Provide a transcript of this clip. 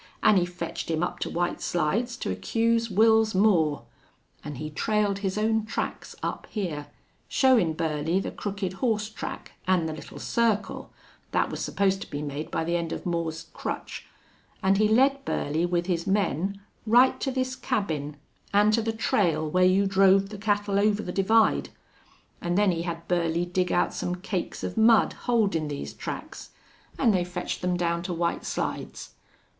An' he fetched him up to White Slides to accuse Wils Moore. An' he trailed his own tracks up here, showin' Burley the crooked horse track an' the little circle that was supposed to be made by the end of Moore's crutch an' he led Burley with his men right to this cabin an' to the trail where you drove the cattle over the divide.... An' then he had Burley dig out some cakes of mud holdin' these tracks, an' they fetched them down to White Slides.